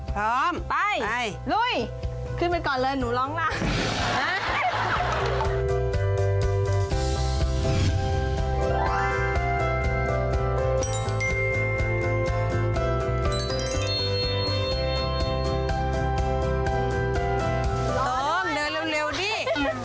โต๊มเดินเร็วดิ